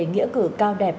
nghĩa cử cao đẹp